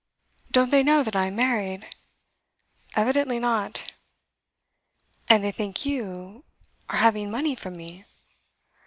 'Don't they know that I am married?' 'Evidently not.' 'And they think you are having money from me?